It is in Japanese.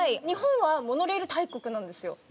日本はモノレール大国なんですよ。